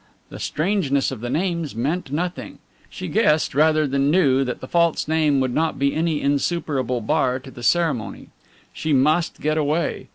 The strangeness of the names meant nothing. She guessed rather than knew that the false name would not be any insuperable bar to the ceremony. She must get away.